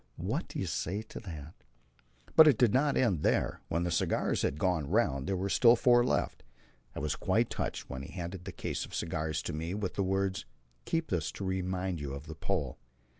What do you say to that? But it did not end there. When the cigars had gone round, there were still four left. I was quite touched when he handed the case and cigars to me with the words: "Keep this to remind you of the Pole."